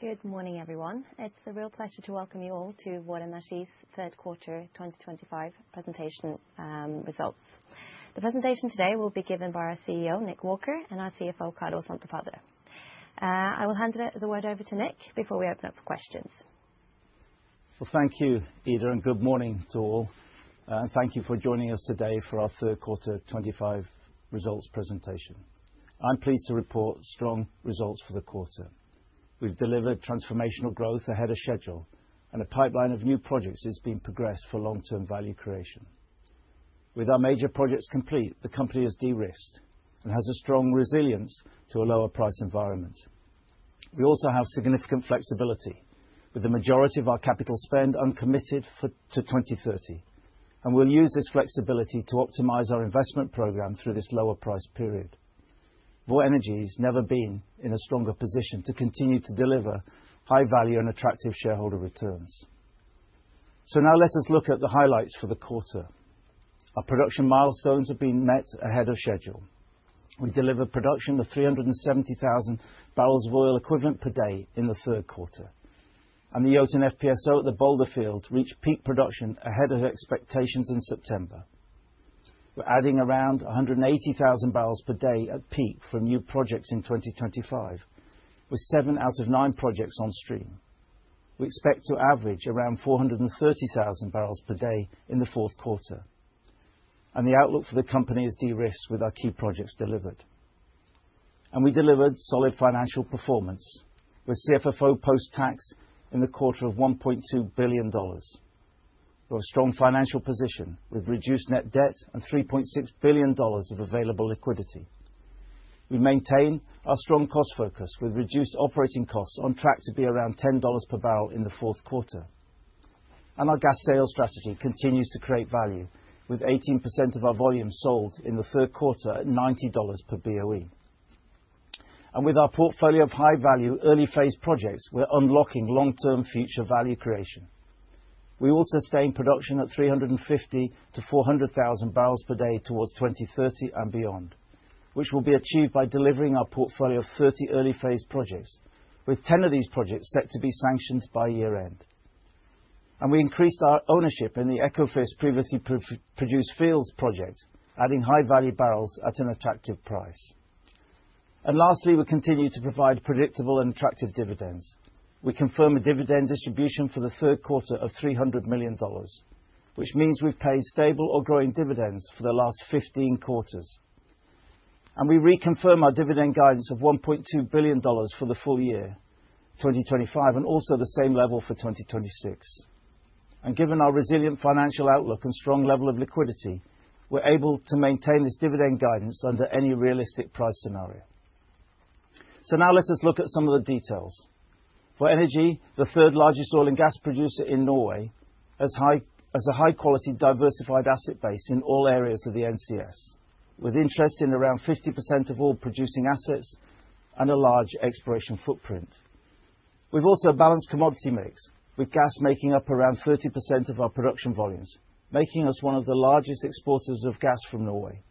Good morning, everyone. It's a real pleasure to welcome you all to Vår Energi's third quarter 2025 presentation results. The presentation today will be given by our CEO, Nick Walker, and our CFO, Carlo Santopadre. I will hand the word over to Nick before we open up for questions. So thank you, Ida, and good morning to all. And thank you for joining us today for our third quarter 2025 results presentation. I'm pleased to report strong results for the quarter. We've delivered transformational growth ahead of schedule, and a pipeline of new projects has been progressed for long-term value creation. With our major projects complete, the company has de-risked and has a strong resilience to a lower-price environment. We also have significant flexibility, with the majority of our capital spend uncommitted to 2030, and we'll use this flexibility to optimize our investment program through this lower-price period. Vår Energi has never been in a stronger position to continue to deliver high-value and attractive shareholder returns. So now let us look at the highlights for the quarter. Our production milestones have been met ahead of schedule. We delivered production of 370,000 barrels of oil equivalent per day in the third quarter, and the Jotun FPSO at the Balder field reached peak production ahead of expectations in September. We're adding around 180,000 barrels per day at peak from new projects in 2025, with seven out of nine projects on stream. We expect to average around 430,000 barrels per day in the fourth quarter. And the outlook for the company is de-risked with our key projects delivered. And we delivered solid financial performance, with CFFO post-tax in the quarter of $1.2 billion. We have a strong financial position with reduced net debt and $3.6 billion of available liquidity. We maintain our strong cost focus with reduced operating costs on track to be around $10 per barrel in the fourth quarter. And our gas sales strategy continues to create value, with 18% of our volume sold in the third quarter at $90 per BOE. And with our portfolio of high-value early-phase projects, we're unlocking long-term future value creation. We will sustain production at 350,000-400,000 barrels per day towards 2030 and beyond, which will be achieved by delivering our portfolio of 30 early-phase projects, with 10 of these projects set to be sanctioned by year-end. And we increased our ownership in the Ekofisk previously produced fields project, adding high-value barrels at an attractive price. And lastly, we continue to provide predictable and attractive dividends. We confirm a dividend distribution for the third quarter of $300 million, which means we've paid stable or growing dividends for the last 15 quarters. And we reconfirm our dividend guidance of $1.2 billion for the full year, 2025, and also the same level for 2026. And given our resilient financial outlook and strong level of liquidity, we're able to maintain this dividend guidance under any realistic price scenario. So now let us look at some of the details. Vår Energi, the third largest oil and gas producer in Norway, has a high-quality diversified asset base in all areas of the NCS, with interest in around 50% of all producing assets and a large exploration footprint. We've also a balanced commodity mix, with gas making up around 30% of our production volumes, making us one of the largest exporters of gas from Norway.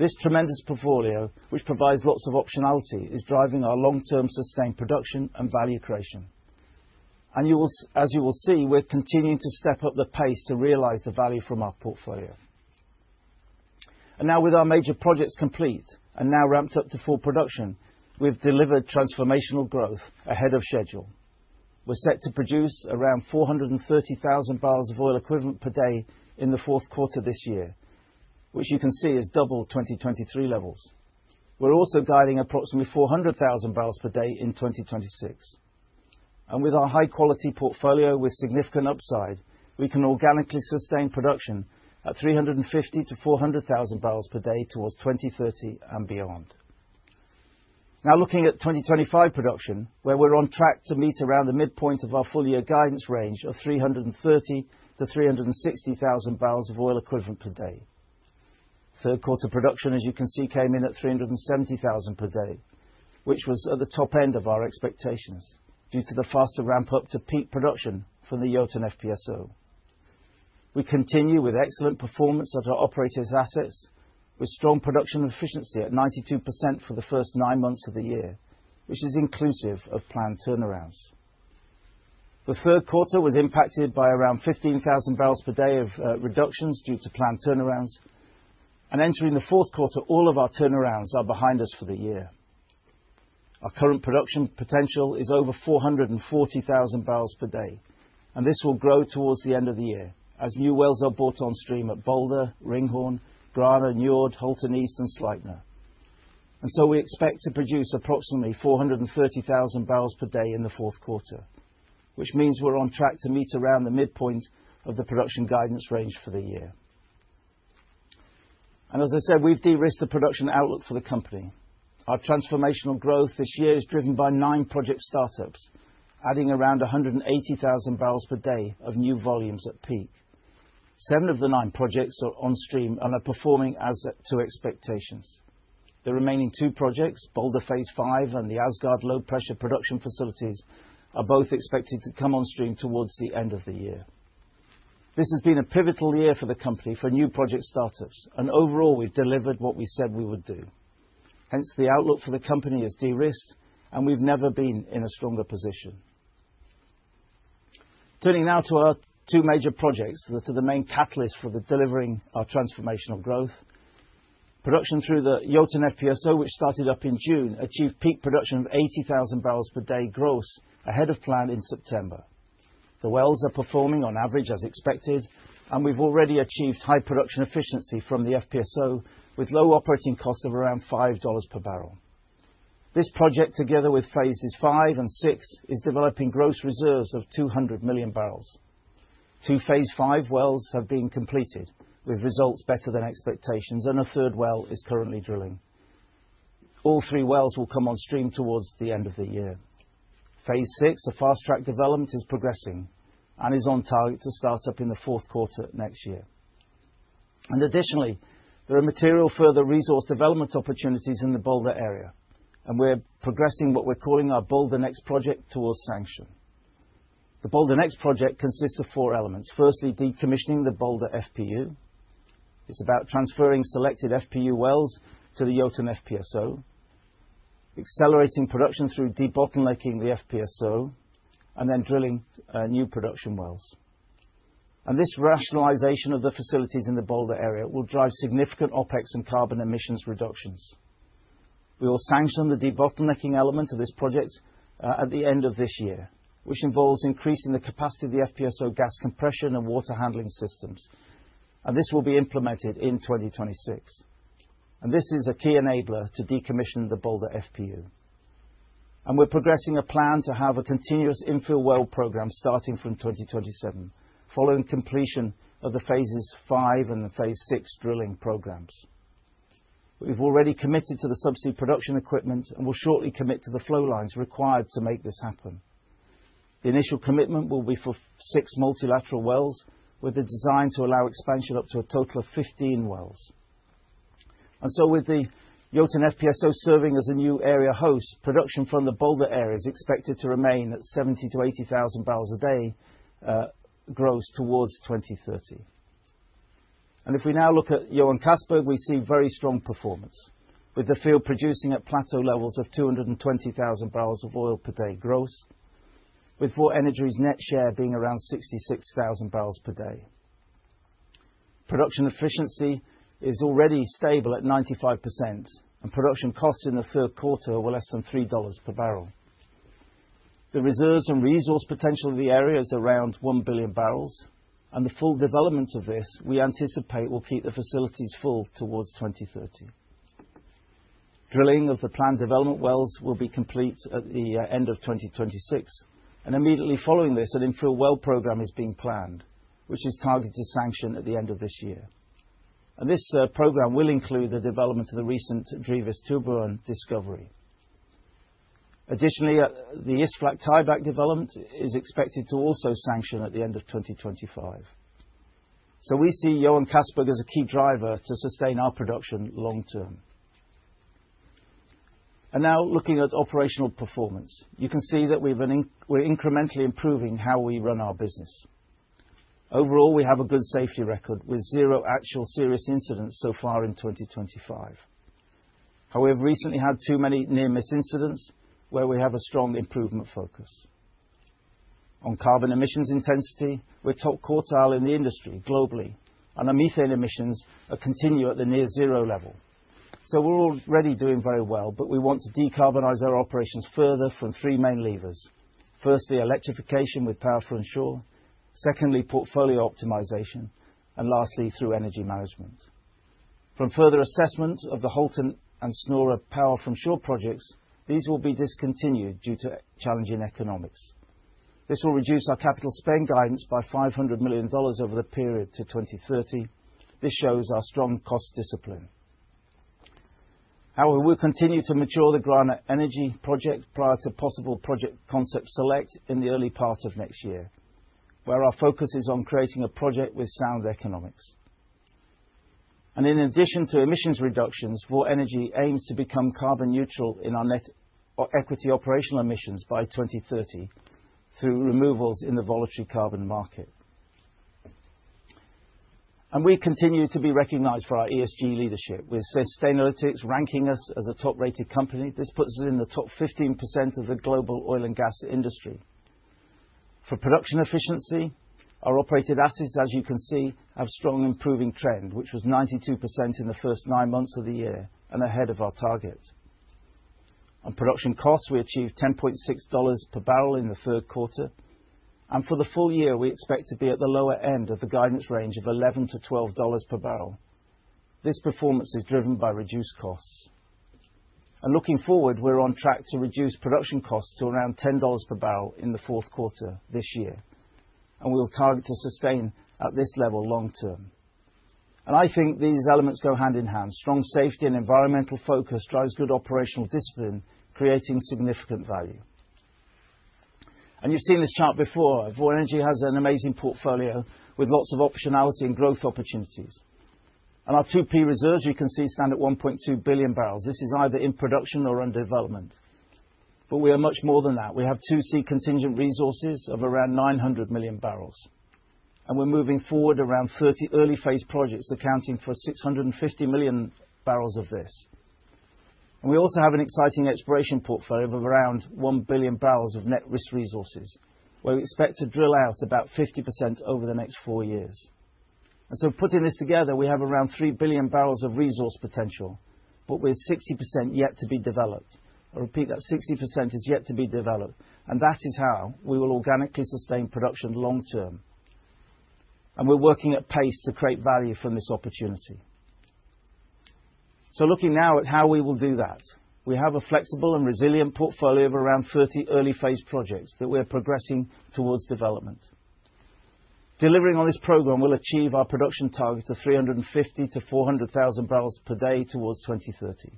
This tremendous portfolio, which provides lots of optionality, is driving our long-term sustained production and value creation. And as you will see, we're continuing to step up the pace to realize the value from our portfolio. And now, with our major projects complete and now ramped up to full production, we've delivered transformational growth ahead of schedule. We're set to produce around 430,000 barrels of oil equivalent per day in the fourth quarter this year, which you can see is double 2023 levels. We're also guiding approximately 400,000 barrels per day in 2026. And with our high-quality portfolio with significant upside, we can organically sustain production at 350,000-400,000 barrels per day towards 2030 and beyond. Now looking at 2025 production, where we're on track to meet around the midpoint of our full-year guidance range of 330,000-360,000 barrels of oil equivalent per day. Third quarter production, as you can see, came in at 370,000 per day, which was at the top end of our expectations due to the faster ramp-up to peak production from the Jotun FPSO. We continue with excellent performance at our operators' assets, with strong production efficiency at 92% for the first nine months of the year, which is inclusive of planned turnarounds. The third quarter was impacted by around 15,000 barrels per day of reductions due to planned turnarounds, and entering the fourth quarter, all of our turnarounds are behind us for the year. Our current production potential is over 440,000 barrels per day, and this will grow towards the end of the year as new wells are brought on stream at Balder, Ringhorne, Grane, Njord, Halten East, and Sleipner, and so we expect to produce approximately 430,000 barrels per day in the fourth quarter, which means we're on track to meet around the midpoint of the production guidance range for the year, and as I said, we've de-risked the production outlook for the company. Our transformational growth this year is driven by nine project startups, adding around 180,000 barrels per day of new volumes at peak. Seven of the nine projects are on stream and are performing as to expectations. The remaining two projects, Balder phase V and the Asgard Low Pressure Production Facilities, are both expected to come on stream towards the end of the year. This has been a pivotal year for the company for new project startups, and overall, we've delivered what we said we would do. Hence, the outlook for the company is de-risked, and we've never been in a stronger position. Turning now to our two major projects that are the main catalyst for delivering our transformational growth. Production through the Jotun FPSO, which started up in June, achieved peak production of 80,000 barrels per day gross ahead of plan in September. The wells are performing on average as expected, and we've already achieved high production efficiency from the FPSO with low operating cost of around $5 per barrel. This project, together with phases V and VI, is developing gross reserves of 200 million barrels. Two phase V wells have been completed with results better than expectations, and a third well is currently drilling. All three wells will come on stream towards the end of the year. Phase VI, a fast-track development, is progressing and is on target to start up in the fourth quarter next year. And additionally, there are material further resource development opportunities in the Balder area, and we're progressing what we're calling our Balder Next project towards sanction. The Balder Next project consists of four elements. Firstly, decommissioning the Balder FPU. It's about transferring selected FPU wells to the Jotun FPSO, accelerating production through de-bottlenecking the FPSO, and then drilling new production wells. And this rationalization of the facilities in the Balder area will drive significant OPEX and carbon emissions reductions. We will sanction the de-bottlenecking element of this project at the end of this year, which involves increasing the capacity of the FPSO gas compression and water handling systems, and this will be implemented in 2026. And this is a key enabler to decommission the Balder FPU. And we're progressing a plan to have a continuous infill well program starting from 2027, following completion of the phases V and the phase VI drilling programs. We've already committed to the subsea production equipment and will shortly commit to the flow lines required to make this happen. The initial commitment will be for six multilateral wells, with the design to allow expansion up to a total of 15 wells. And so with the Jotun FPSO serving as a new area host, production from the Balder area is expected to remain at 70,000-80,000 barrels a day gross towards 2030. And if we now look at Johan Castberg, we see very strong performance, with the field producing at plateau levels of 220,000 barrels of oil per day gross, with Vår Energi's net share being around 66,000 barrels per day. Production efficiency is already stable at 95%, and production costs in the third quarter were less than $3 per barrel. The reserves and resource potential of the area is around 1 billion barrels, and the full development of this, we anticipate, will keep the facilities full towards 2030. Drilling of the planned development wells will be complete at the end of 2026, and immediately following this, an infill well program is being planned, which is targeted to sanction at the end of this year. And this program will include the development of the recent Drivis Tubåen discovery. Additionally, the Isflak tie-back development is expected to also sanction at the end of 2025. So we see Johan Castberg as a key driver to sustain our production long-term. And now looking at operational performance, you can see that we're incrementally improving how we run our business. Overall, we have a good safety record with zero actual serious incidents so far in 2025. However, we've recently had too many near-miss incidents where we have a strong improvement focus. On carbon emissions intensity, we're top quartile in the industry globally, and our methane emissions continue at the near-zero level. So we're already doing very well, but we want to decarbonize our operations further from three main levers. Firstly, electrification with Power from Shore. Secondly, portfolio optimization. And lastly, through energy management. From further assessment of the Halten and Snorre Power from Shore projects, these will be discontinued due to challenging economics. This will reduce our capital spend guidance by $500 million over the period to 2030. This shows our strong cost discipline. However, we'll continue to mature the Grane Energi project prior to possible project concept select in the early part of next year, where our focus is on creating a project with sound economics. And in addition to emissions reductions, Vår Energi aims to become carbon neutral in our net equity operational emissions by 2030 through removals in the voluntary carbon market. And we continue to be recognized for our ESG leadership, with Sustainalytics ranking us as a top-rated company. This puts us in the top 15% of the global oil and gas industry. For production efficiency, our operated assets, as you can see, have a strong improving trend, which was 92% in the first nine months of the year and ahead of our target. On production costs, we achieved $10.6 per barrel in the third quarter. And for the full year, we expect to be at the lower end of the guidance range of $11-$12 per barrel. This performance is driven by reduced costs. And looking forward, we're on track to reduce production costs to around $10 per barrel in the fourth quarter this year, and we'll target to sustain at this level long-term. And I think these elements go hand in hand. Strong safety and environmental focus drives good operational discipline, creating significant value. And you've seen this chart before. Vår Energi has an amazing portfolio with lots of optionality and growth opportunities. And our 2P reserves, you can see, stand at 1.2 billion barrels. This is either in production or under development. But we are much more than that. We have 2C contingent resources of around 900 million barrels. And we're moving forward around 30 early-phase projects accounting for 650 million barrels of this. And we also have an exciting exploration portfolio of around 1 billion barrels of net risk resources, where we expect to drill out about 50% over the next four years. And so putting this together, we have around 3 billion barrels of resource potential, but with 60% yet to be developed. I repeat, that 60% is yet to be developed. And that is how we will organically sustain production long-term. And we're working at pace to create value from this opportunity. So looking now at how we will do that, we have a flexible and resilient portfolio of around 30 early-phase projects that we are progressing towards development. Delivering on this program will achieve our production target of 350,000-400,000 barrels per day towards 2030.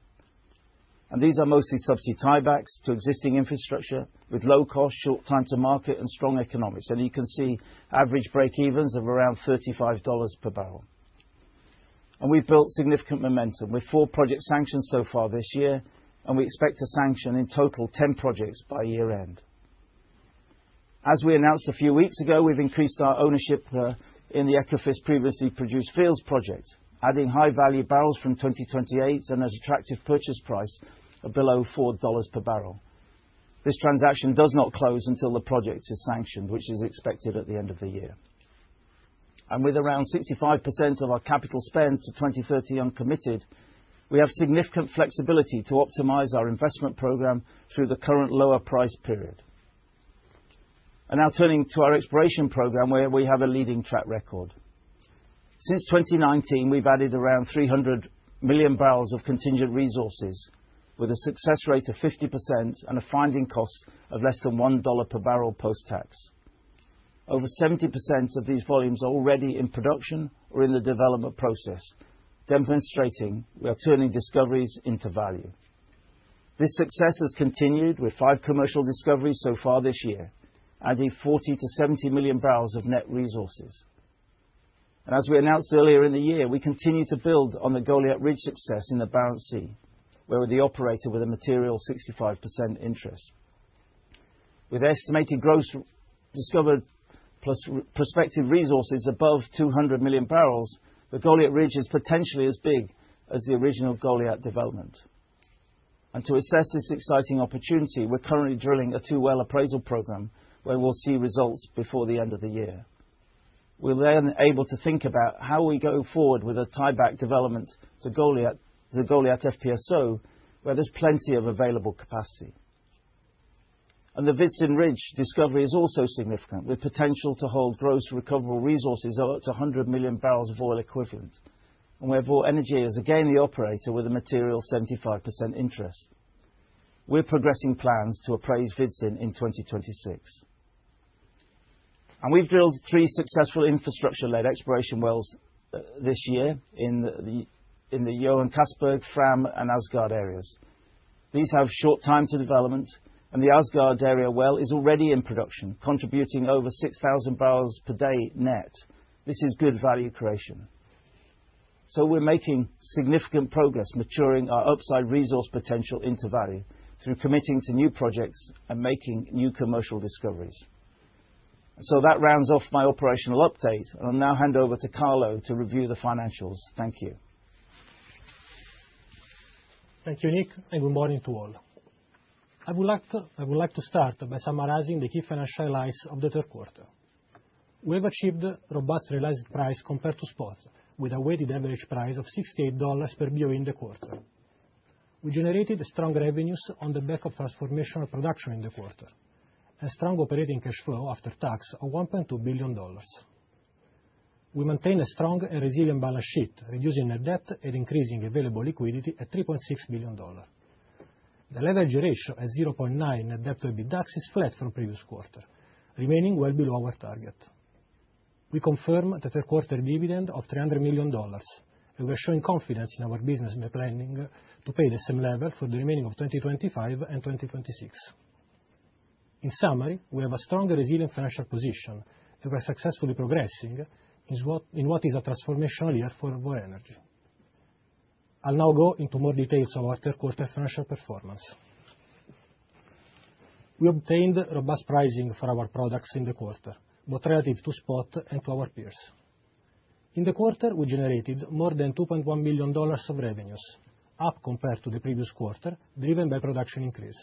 And these are mostly subsea tie-backs to existing infrastructure with low cost, short time to market, and strong economics. And you can see average breakevens of around $35 per barrel. And we've built significant momentum. We've four projects sanctioned so far this year, and we expect to sanction in total 10 projects by year-end. As we announced a few weeks ago, we've increased our ownership in the Ekofisk previously produced fields project, adding high-value barrels from 2028 and at attractive purchase price of below $4 per barrel. This transaction does not close until the project is sanctioned, which is expected at the end of the year, and with around 65% of our capital spend to 2030 uncommitted, we have significant flexibility to optimize our investment program through the current lower price period, and now turning to our exploration program, where we have a leading track record. Since 2019, we've added around 300 million barrels of contingent resources with a success rate of 50% and a finding cost of less than $1 per barrel post-tax. Over 70% of these volumes are already in production or in the development process, demonstrating we are turning discoveries into value. This success has continued with five commercial discoveries so far this year, adding 40-70 million barrels of net resources. As we announced earlier in the year, we continue to build on the Goliat Ridge success in the Barents Sea, where we're the operator with a material 65% interest. With estimated gross discovered plus prospective resources above 200 million barrels, the Goliat Ridge is potentially as big as the original Goliat development. To assess this exciting opportunity, we're currently drilling a two-well appraisal program where we'll see results before the end of the year. We're then able to think about how we go forward with a tie-back development to Goliat, the Goliat FPSO, where there's plenty of available capacity. And the Venus discovery is also significant, with potential to hold gross recoverable resources of up to 100 million barrels of oil equivalent, and where Vår Energi is again the operator with a material 75% interest. We're progressing plans to appraise Venus in 2026. And we've drilled three successful infrastructure-led exploration wells this year in the Johan Castberg, Fram, and Åsgard areas. These have short time to development, and the Åsgard area well is already in production, contributing over 6,000 barrels per day net. This is good value creation. So we're making significant progress, maturing our upside resource potential into value through committing to new projects and making new commercial discoveries. So that rounds off my operational update, and I'll now hand over to Carlo to review the financials. Thank you. Thank you, Nick, and good morning to all. I would like to start by summarizing the key financial highlights of the third quarter. We have achieved robust realized price compared to spot, with a weighted average price of $68 per BOE in the quarter. We generated strong revenues on the back of transformational production in the quarter and strong operating cash flow after tax of $1.2 billion. We maintain a strong and resilient balance sheet, reducing net debt and increasing available liquidity at $3.6 billion. The leverage ratio at 0.9 net debt to EBITDA is flat from previous quarter, remaining well below our target. We confirm the third quarter dividend of $300 million, and we are showing confidence in our business planning to pay the same level for the remaining of 2025 and 2026. In summary, we have a strong and resilient financial position, and we're successfully progressing in what is a transformational year for Vår Energi. I'll now go into more details of our third quarter financial performance. We obtained robust pricing for our products in the quarter, both relative to spot and to our peers. In the quarter, we generated more than $2.1 million of revenues, up compared to the previous quarter, driven by production increase.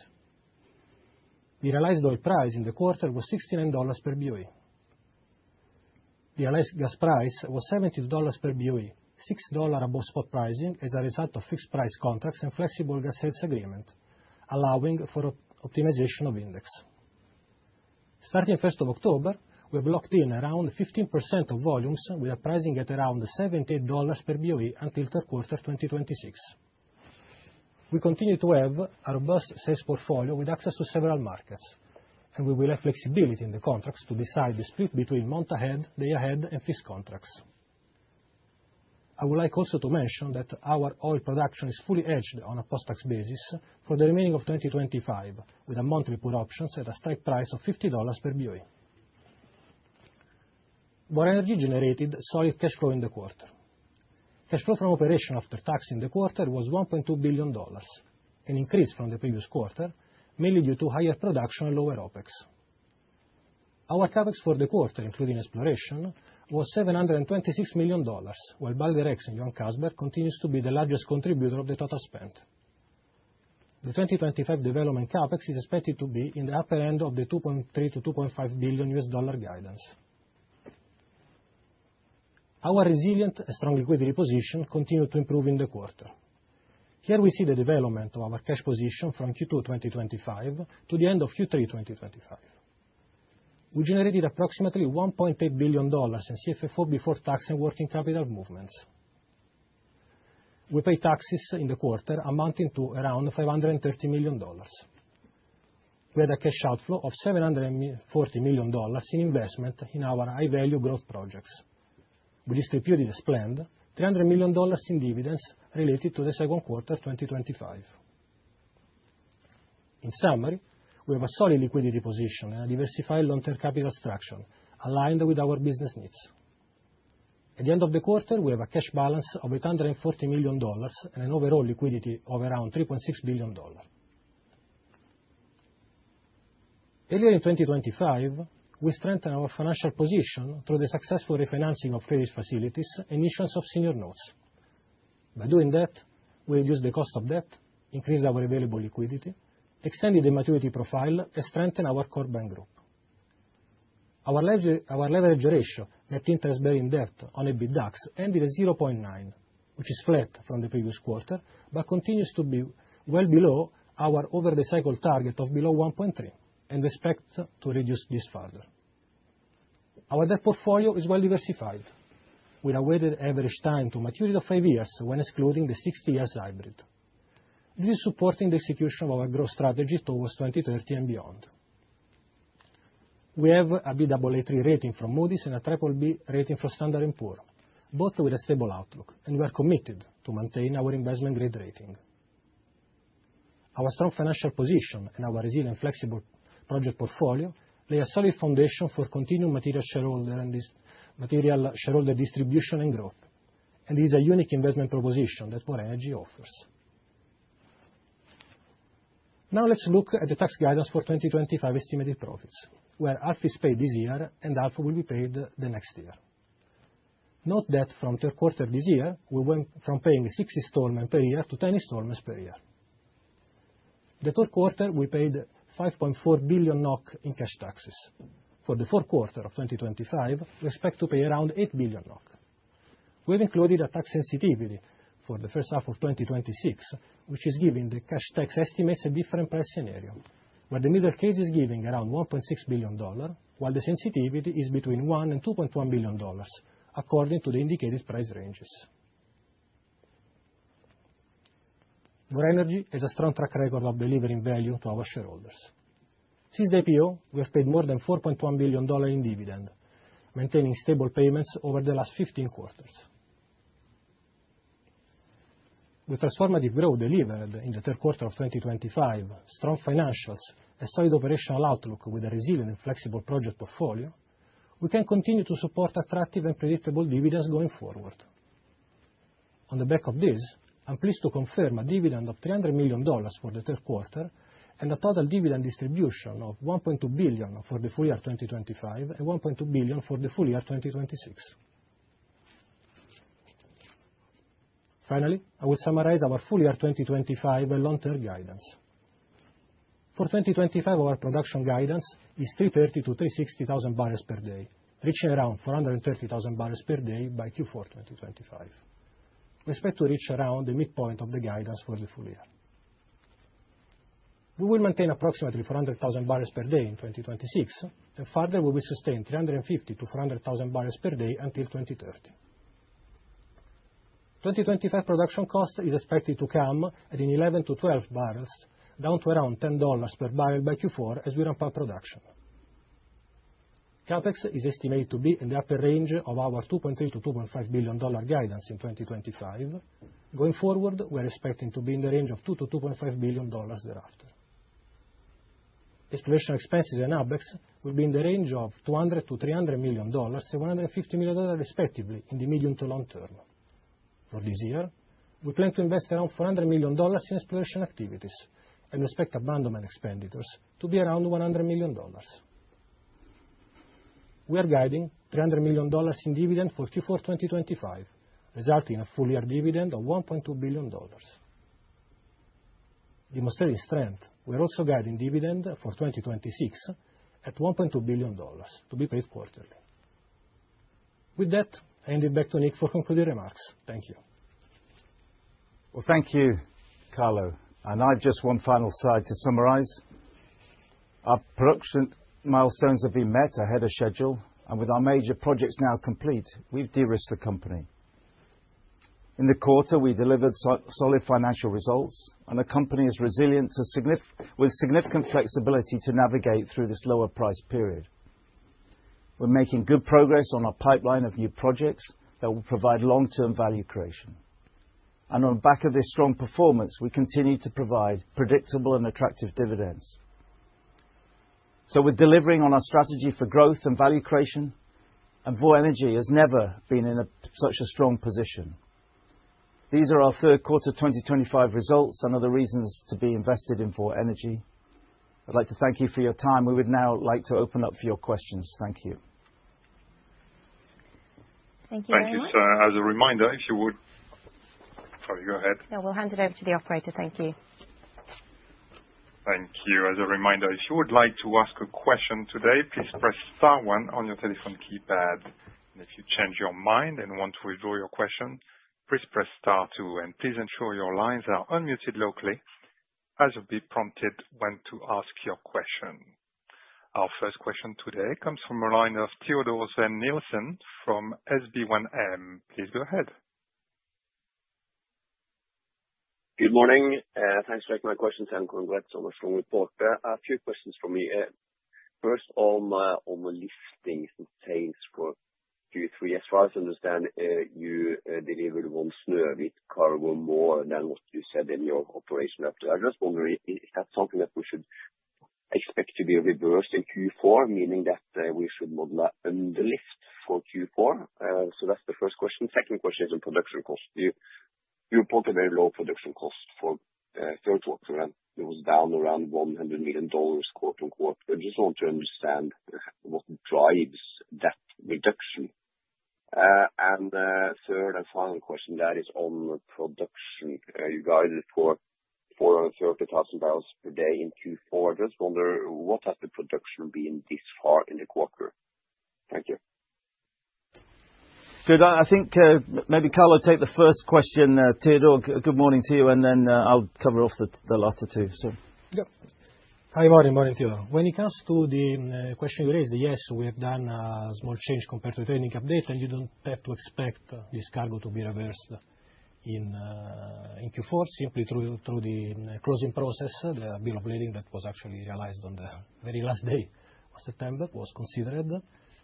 The realized oil price in the quarter was $69 per BOE. The realized gas price was $72 per BOE, $6 above spot pricing as a result of fixed price contracts and flexible gas sales agreement, allowing for optimization of index. Starting 1st of October, we have locked in around 15% of volumes, with a pricing at around $78 per BOE until third quarter 2026. We continue to have a robust sales portfolio with access to several markets, and we will have flexibility in the contracts to decide the split between month ahead, day ahead, and fixed contracts. I would like also to mention that our oil production is fully hedged on a post-tax basis for the remaining of 2025, with a monthly put options at a strike price of $50 per BOE. Vår Energi generated solid cash flow in the quarter. Cash flow from operations after tax in the quarter was $1.2 billion, an increase from the previous quarter, mainly due to higher production and lower OPEX. Our CAPEX for the quarter, including exploration, was $726 million, while Balder X and Johan Castberg continues to be the largest contributor of the total spent. The 2025 development CAPEX is expected to be in the upper end of the $2.3-$2.5 billion guidance. Our resilient and strong liquidity position continued to improve in the quarter. Here we see the development of our cash position from Q2 2025 to the end of Q3 2025. We generated approximately $1.8 billion in CFFO before tax and working capital movements. We paid taxes in the quarter, amounting to around $530 million. We had a cash outflow of $740 million in investment in our high-value growth projects. We distributed, as planned, $300 million in dividends related to the second quarter 2025. In summary, we have a solid liquidity position and a diversified long-term capital structure aligned with our business needs. At the end of the quarter, we have a cash balance of $840 million and an overall liquidity of around $3.6 billion. Earlier in 2025, we strengthened our financial position through the successful refinancing of credit facilities and issuance of senior notes. By doing that, we reduced the cost of debt, increased our available liquidity, extended the maturity profile, and strengthened our core bank group. Our leverage ratio, net interest bearing debt on EBITDAX, ended at 0.9, which is flat from the previous quarter, but continues to be well below our over-the-cycle target of below 1.3 and expects to reduce this further. Our debt portfolio is well diversified, with a weighted average time to maturity of five years when excluding the 60-year hybrid. This is supporting the execution of our growth strategy towards 2030 and beyond. We have a BAA3 rating from Moody's and a BBB rating from Standard & Poor's, both with a stable outlook, and we are committed to maintain our investment-grade rating. Our strong financial position and our resilient flexible project portfolio lay a solid foundation for continued material shareholder distribution and growth, and it is a unique investment proposition that Vår Energi offers. Now let's look at the tax guidance for 2025 estimated profits, where half is paid this year and half will be paid the next year. Note that from third quarter this year, we went from paying six installments per year to 10 installments per year. The third quarter, we paid 5.4 billion NOK in cash taxes. For the fourth quarter of 2025, we expect to pay around 8 billion NOK. We have included a tax sensitivity for the first half of 2026, which is giving the cash tax estimates a different price scenario, where the middle case is giving around $1.6 billion, while the sensitivity is between $1 and $2.1 billion, according to the indicated price ranges. Vår Energi has a strong track record of delivering value to our shareholders. Since the IPO, we have paid more than $4.1 billion in dividend, maintaining stable payments over the last 15 quarters. With transformative growth delivered in the third quarter of 2025, strong financials, a solid operational outlook with a resilient and flexible project portfolio, we can continue to support attractive and predictable dividends going forward. On the back of this, I'm pleased to confirm a dividend of $300 million for the third quarter and a total dividend distribution of $1.2 billion for the full year 2025 and $1.2 billion for the full year 2026. Finally, I will summarize our full year 2025 and long-term guidance. For 2025, our production guidance is 330,000-360,000 barrels per day, reaching around 430,000 barrels per day by Q4 2025. We expect to reach around the midpoint of the guidance for the full year. We will maintain approximately 400,000 barrels per day in 2026, and further we will sustain 350,000-400,000 barrels per day until 2030. 2025 production cost is expected to come at $11-$12 per barrel, down to around $10 per barrel by Q4 as we ramp up production. CAPEX is estimated to be in the upper range of our $2.3-$2.5 billion guidance in 2025. Going forward, we are expecting to be in the range of $2-$2.5 billion thereafter. Exploration expenses and ABEX will be in the range of $200-$300 million and $150 million, respectively, in the medium to long term. For this year With that, I hand it back to Nick for concluding remarks. Thank you. Well, thank you, Carlo. And I've just one final slide to summarize. Our production milestones have been met ahead of schedule, and with our major projects now complete, we've de-risked the company. In the quarter, we delivered solid financial results, and the company is resilient with significant flexibility to navigate through this lower price period. We're making good progress on our pipeline of new projects that will provide long-term value creation. And on the back of this strong performance, we continue to provide predictable and attractive dividends. So we're delivering on our strategy for growth and value creation, and Vår Energi has never been in such a strong position. These are our third quarter 2025 results and other reasons to be invested in Vår Energi. I'd like to thank you for your time. We would now like to open up for your questions. Thank you. Thank you, Daniel. Thank you. So, as a reminder, if you would, sorry, go ahead. Yeah, we'll hand it over to the operator. Thank you. Thank you. As a reminder, if you would like to ask a question today, please press Star 1 on your telephone keypad. And if you change your mind and want to withdraw your question, please press Star 2. And please ensure your lines are unmuted locally as you'll be prompted when to ask your question. Our first question today comes from a line of Teodor Sveen-Nilsen from SB1M. Please go ahead. Good morning. Thanks for taking my question, Sam. Congrats on the strong report. A few questions for me. First, on the liftings and sales for Q3, as far as I understand, you delivered one Snøhvit cargo more than what you said in your operations update up there. I just wondered, is that something that we should expect to be reversed in Q4, meaning that we should model that under lift for Q4? So that's the first question. Second question is on production costs. You reported very low production costs for third quarter, and it was down around $100 million, quote unquote. I just want to understand what drives that reduction. And third and final question there is on production. You guided for 430,000 barrels per day in Q4. I just wondered, what has the production been this far in the quarter? Thank you. Good. I think maybe Carlo will take the first question. Teodor, good morning to you, and then I'll cover off the latter two. So, yeah. Hi, Marin. Morning to you. When it comes to the question you raised, yes, we have done a small change compared to the training update, and you don't have to expect this cargo to be reversed in Q4. Simply through the closing process, the bill of lading that was actually realized on the very last day of September was considered,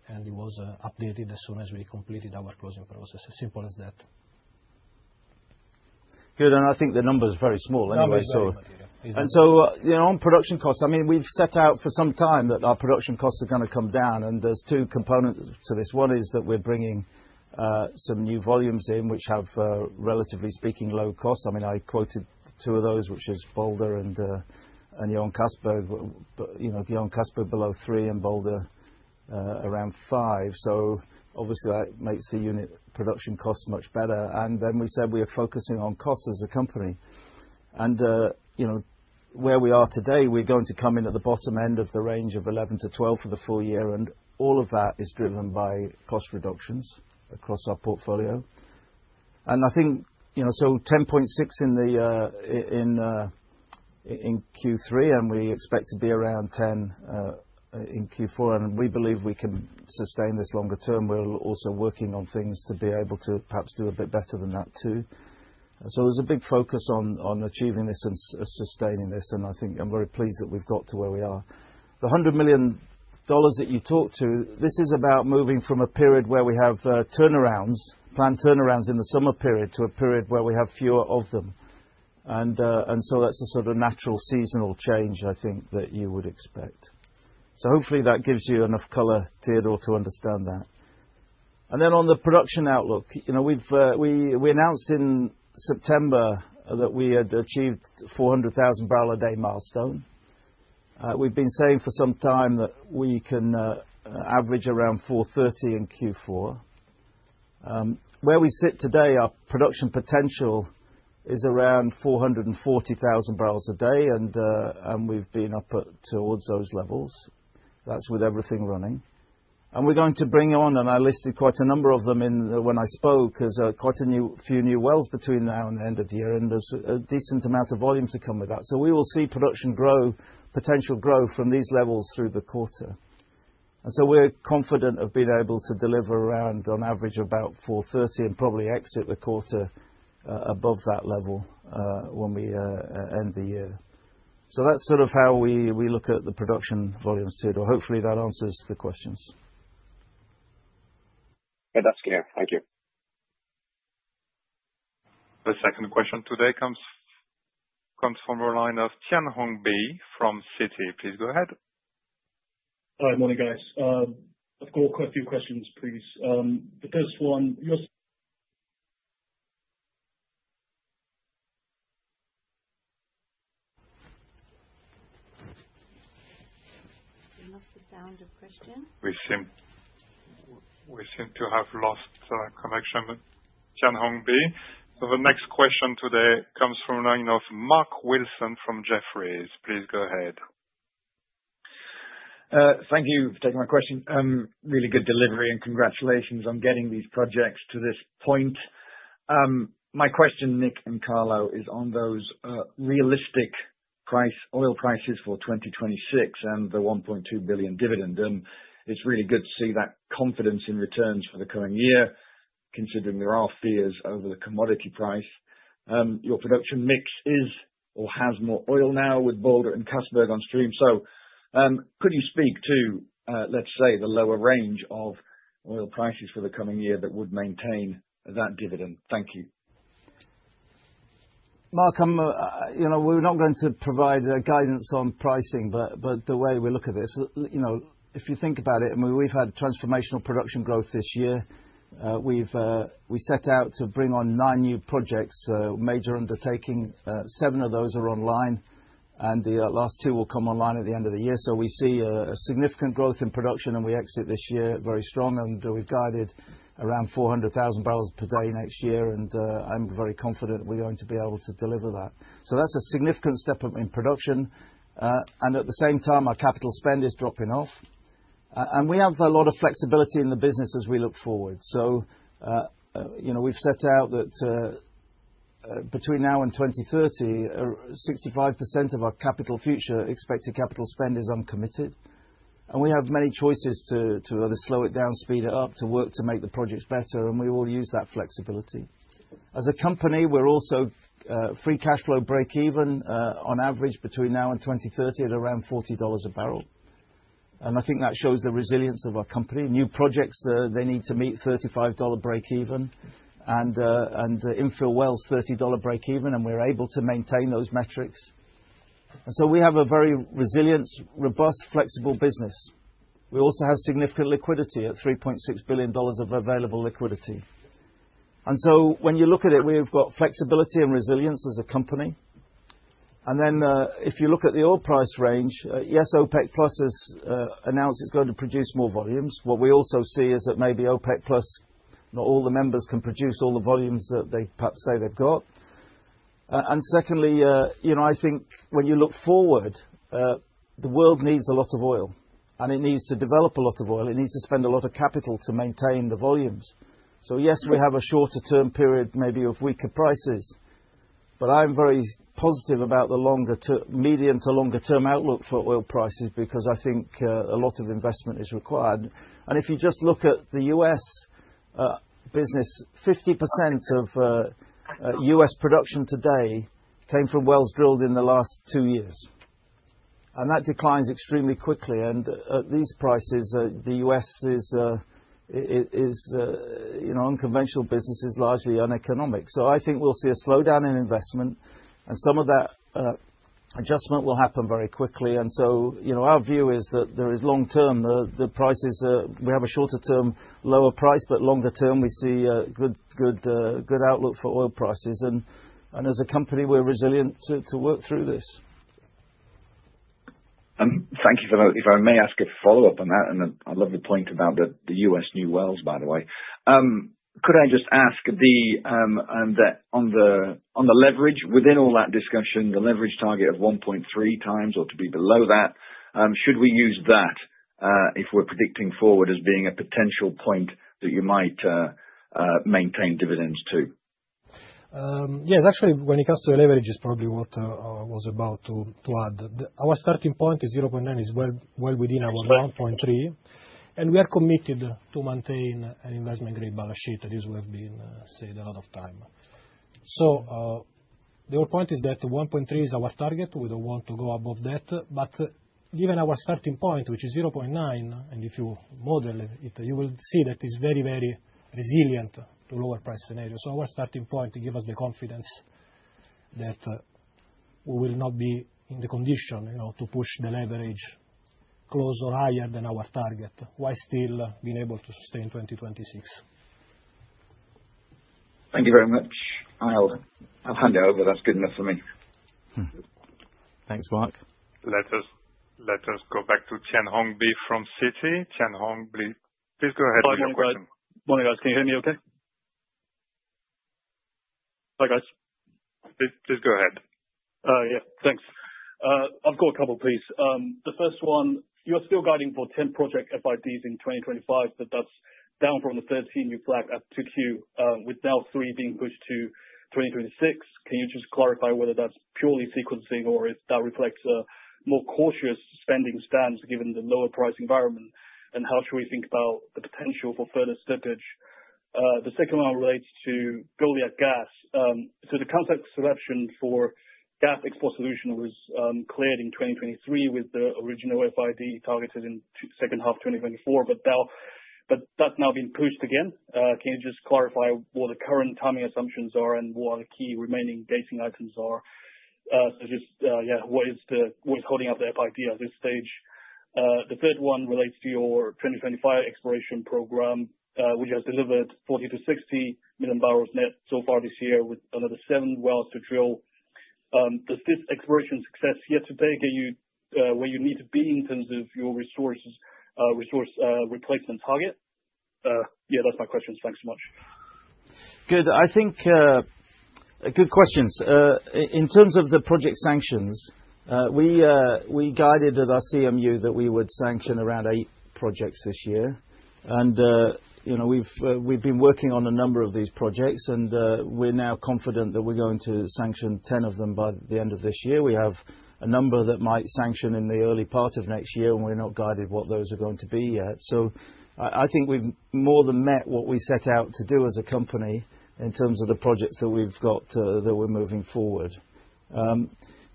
and it was updated as soon as we completed our closing process. As simple as that. Good, and I think the number is very small anyway, and so, on production costs, I mean, we've set out for some time that our production costs are going to come down, and there's two components to this. One is that we're bringing some new volumes in, which have, relatively speaking, low costs. I mean, I quoted two of those, which is Balder and Johan Castberg, but Johan Castberg below three and Balder around five, so obviously that makes the unit production costs much better, and then we said we are focusing on costs as a company, and where we are today, we're going to come in at the bottom end of the range of 11-12 for the full year, and all of that is driven by cost reductions across our portfolio, and I think, so 10.6 in Q3, and we expect to be around 10 in Q4, and we believe we can sustain this longer term. We're also working on things to be able to perhaps do a bit better than that too, so there's a big focus on achieving this and sustaining this, and I think I'm very pleased that we've got to where we are. The $100 million that you talked to, this is about moving from a period where we have turnarounds, planned turnarounds in the summer period, to a period where we have fewer of them. And so that's a sort of natural seasonal change, I think, that you would expect. So hopefully that gives you enough color, Theodore, to understand that. And then on the production outlook, we announced in September that we had achieved 400,000 barrel a day milestone. We've been saying for some time that we can average around 430 in Q4. Where we sit today, our production potential is around 440,000 barrels a day, and we've been up towards those levels. That's with everything running. And we're going to bring on, and I listed quite a number of them when I spoke, as quite a few new wells between now and the end of the year, and there's a decent amount of volume to come with that. So we will see production grow, potential grow from these levels through the quarter. And so we're confident of being able to deliver around, on average, about 430 and probably exit the quarter above that level when we end the year. So that's sort of how we look at the production volumes, Theodore. Hopefully that answers the questions. Yeah, that's clear. Thank you. The second question today comes from a line of Tianhong Bi from Citi. Please go ahead. Hi, morning, guys. I've got a few questions, please. The first one, your. We seem to have lost connection, Tianhong Bi. So the next question today comes from a line of Mark Wilson from Jefferies. Please go ahead. Thank you for taking my question. Really good delivery, and congratulations on getting these projects to this point. My question, Nick and Carlo, is on those realistic oil prices for 2026 and the $1.2 billion dividend. And it's really good to see that confidence in returns for the coming year, considering there are fears over the commodity price. Your production mix is or has more oil now with Balder and Castberg on stream. So could you speak to, let's say, the lower range of oil prices for the coming year that would maintain that dividend? Thank you. Mark, we're not going to provide guidance on pricing, but the way we look at this, if you think about it, and we've had transformational production growth this year. We set out to bring on nine new projects, major undertaking. Seven of those are online, and the last two will come online at the end of the year, so we see a significant growth in production, and we exit this year very strong, and we've guided around 400,000 barrels per day next year, and I'm very confident we're going to be able to deliver that, so that's a significant step in production, and at the same time, our capital spend is dropping off, and we have a lot of flexibility in the business as we look forward, so we've set out that between now and 2030, 65% of our capital future expected capital spend is uncommitted, and we have many choices to either slow it down, speed it up, to work to make the projects better, and we will use that flexibility. As a company, we're also free cash flow break-even on average between now and 2030 at around $40 a barrel. And I think that shows the resilience of our company. New projects, they need to meet $35 break-even, and infill wells, $30 break-even, and we're able to maintain those metrics. And so we have a very resilient, robust, flexible business. We also have significant liquidity at $3.6 billion of available liquidity. And so when you look at it, we've got flexibility and resilience as a company. And then if you look at the oil price range, yes, OPEC+ has announced it's going to produce more volumes. What we also see is that maybe OPEC+, not all the members can produce all the volumes that they perhaps say they've got. And secondly, I think when you look forward, the world needs a lot of oil, and it needs to develop a lot of oil. It needs to spend a lot of capital to maintain the volumes. So yes, we have a shorter-term period, maybe of weaker prices, but I'm very positive about the medium to longer-term outlook for oil prices because I think a lot of investment is required. And if you just look at the U.S. business, 50% of U.S. production today came from wells drilled in the last two years. And that declines extremely quickly. And at these prices, the U.S.'s unconventional business is largely uneconomic. So I think we'll see a slowdown in investment, and some of that adjustment will happen very quickly. And so our view is that there is long-term the prices, we have a shorter-term lower price, but longer-term, we see a good outlook for oil prices. And as a company, we're resilient to work through this. Thank you for that. If I may ask a follow-up on that, and I love the point about the U.S. new wells, by the way. Could I just ask on the leverage, within all that discussion, the leverage target of 1.3 times or to be below that, should we use that if we're predicting forward as being a potential point that you might maintain dividends to? Yes, actually, when it comes to leverage, it's probably what I was about to add. Our starting point is 0.9, is well within our 1.3. And we are committed to maintain an investment-grade balance sheet that has been saved a lot of time. So the whole point is that 1.3 is our target. We don't want to go above that. But given our starting point, which is 0.9, and if you model it, you will see that it's very, very resilient to lower price scenarios. So our starting point gives us the confidence that we will not be in the condition to push the leverage close or higher than our target, while still being able to sustain 2026. Thank you very much. I'll hand it over. That's good enough for me. Thanks, Mark. Let us go back to Tianhong Bi from Citi. Tianhong Bi, please go ahead. Morning, guys. Can you hear me okay? Hi, guys. Please go ahead. Yeah, thanks. I've got a couple, please. The first one, you're still guiding for 10 project FIDs in 2025, but that's down from the 13 you flagged at 2Q, with now 3 being pushed to 2026. Can you just clarify whether that's purely sequencing or if that reflects a more cautious spending stance given the lower price environment, and how should we think about the potential for further slippage? The second one relates to Goliat Gas. So the concept selection for gas export solution was cleared in 2023 with the original FID targeted in second half 2024, but that's now been pushed again. Can you just clarify what the current timing assumptions are and what the key remaining gating items are? So just, yeah, what is holding up the FID at this stage? The third one relates to your 2025 exploration program, which has delivered 40-60 million barrels net so far this year, with another seven wells to drill. Does this exploration success yet to take where you need to be in terms of your resource replacement target? Yeah, that's my question. Thanks so much. Good. I think good questions. In terms of the project sanctions, we guided at our CMU that we would sanction around eight projects this year. And we've been working on a number of these projects, and we're now confident that we're going to sanction 10 of them by the end of this year. We have a number that might sanction in the early part of next year, and we're not guided what those are going to be yet. So I think we've more than met what we set out to do as a company in terms of the projects that we've got that we're moving forward.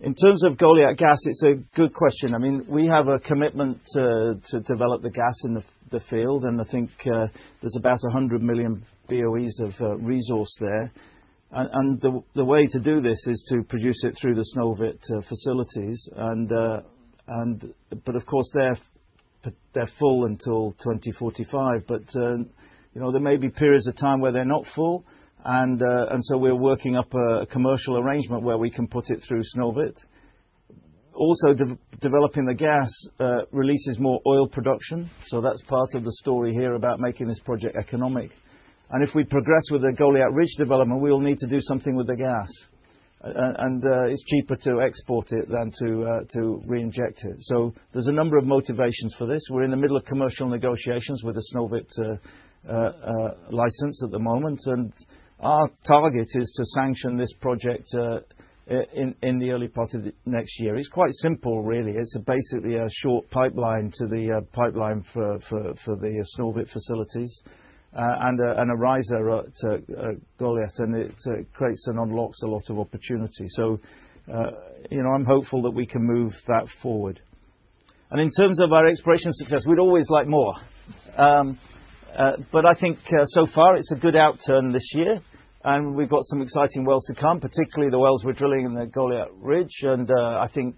In terms of Goliat Gas, it's a good question. I mean, we have a commitment to develop the gas in the field, and I think there's about 100 million BOEs of resource there. And the way to do this is to produce it through the Snøhvit facilities. But of course, they're full until 2045, but there may be periods of time where they're not full. And so we're working up a commercial arrangement where we can put it through Snøhvit. Also, developing the gas releases more oil production, so that's part of the story here about making this project economic. And if we progress with the Goliat Ridge development, we will need to do something with the gas. And it's cheaper to export it than to reinject it. So there's a number of motivations for this. We're in the middle of commercial negotiations with the Snøhvit license at the moment, and our target is to sanction this project in the early part of next year. It's quite simple, really. It's basically a short pipeline to the pipeline for the Snøhvit facilities and a riser to Goliat, and it creates and unlocks a lot of opportunity. So I'm hopeful that we can move that forward. And in terms of our exploration success, we'd always like more. But I think so far it's a good outturn this year, and we've got some exciting wells to come, particularly the wells we're drilling in the Goliat Ridge and I think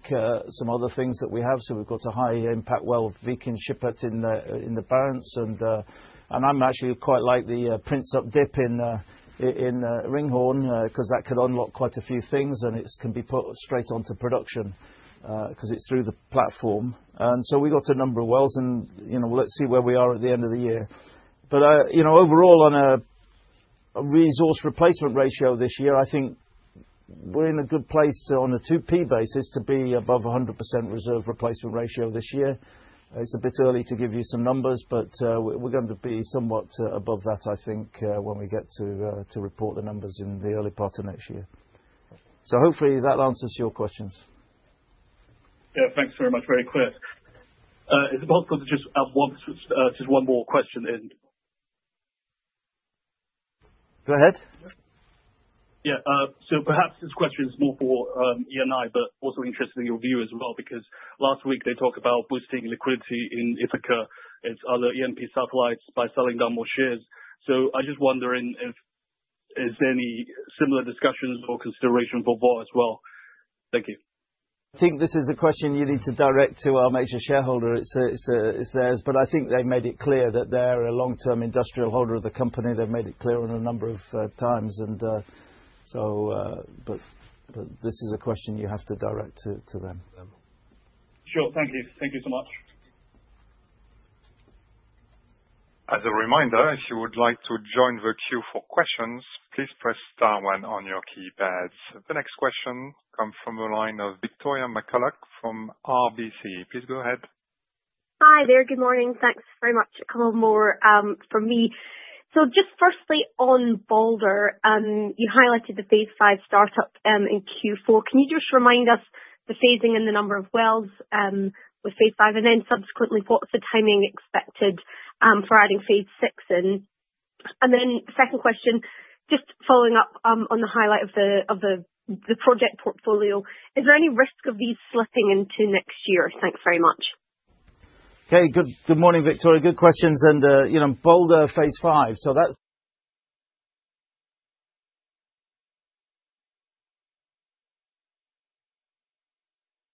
some other things that we have. So we've got a high-impact well of Vikingskipet in the Barents Sea, and I'm actually quite like the Prince of Dip in Ringhorne because that could unlock quite a few things, and it can be put straight onto production because it's through the platform. And so we got a number of wells, and let's see where we are at the end of the year. But overall, on a resource replacement ratio this year, I think we're in a good place on a 2P basis to be above 100% reserve replacement ratio this year. It's a bit early to give you some numbers, but we're going to be somewhat above that, I think, when we get to report the numbers in the early part of next year. So hopefully that answers your questions. Yeah, thanks very much. Very quick. Is it possible to just add one more question in? Go ahead. Yeah. So perhaps this question is more for Eni, but also interested in your view as well because last week they talked about boosting liquidity in Ithaca and its other ENP satellites by selling down more shares. So I just wonder if there's any similar discussions or consideration for Vår as well. Thank you. I think this is a question you need to direct to our major shareholder. It's theirs. But I think they've made it clear that they're a long-term industrial holder of the company. They've made it clear on a number of times. But this is a question you have to direct to them. Sure. Thank you. Thank you so much. As a reminder, if you would like to join the queue for questions, please press star one on your keypads. The next question comes from the line of Victoria McCulloch from RBC. Please go ahead. Hi there. Good morning. Thanks very much. A couple more from me. So just firstly on Balder, you highlighted the phase five startup in Q4. Can you just remind us the phasing and the number of wells with phase five and then subsequently what's the timing expected for adding phase six in? And then second question, just following up on the highlight of the project portfolio, is there any risk of these slipping into next year? Thanks very much. Okay. Good morning, Victoria. Good questions. And Balder, phase five. So that's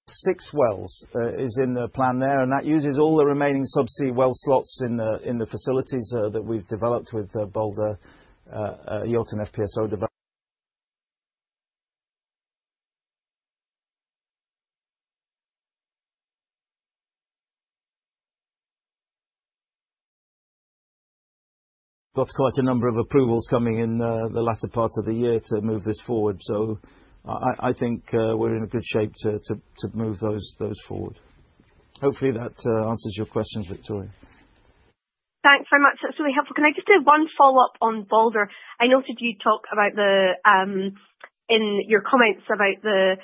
six wells is in the plan there, and that uses all the remaining subsea well slots in the facilities that we've developed with Balder, Jotun FPSO. Got quite a number of approvals coming in the latter part of the year to move this forward. So I think we're in good shape to move those forward. Hopefully that answers your questions, Victoria. Thanks very much. That's really helpful. Can I just do one follow-up on Balder? I noted you talked about in your comments about the